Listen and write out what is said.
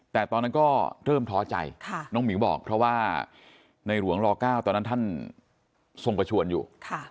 แต่ตอนนั้นก็เริ่มท้อใจน้องหมิวบอกเพราะว่าในหลวงล๙ตอนนั้นท่านทรงประชวนอยู่